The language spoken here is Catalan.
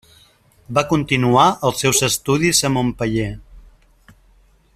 Va continuar els seus estudis a Montpeller.